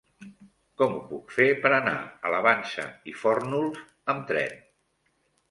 Com ho puc fer per anar a la Vansa i Fórnols amb tren?